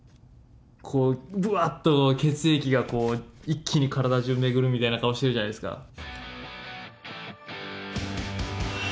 こうブワッと血液が一気に体じゅう巡るみたいな顔してるじゃないですか。